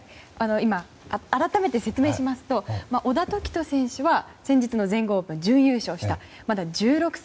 今、改めて説明しますと小田凱人選手は先日の全豪オープン準優勝したまだ１６歳。